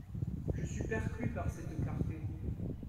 Je suis perclus par cette clarté.